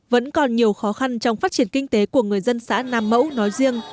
vẫn còn nhiều khó khăn trong phát triển kinh tế của người dân xã nam mẫu nói riêng